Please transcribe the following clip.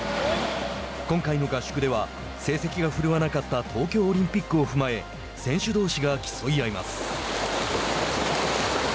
今回の合宿では成績が振るわなかった東京オリンピックを踏まえ選手どうしが競い合います。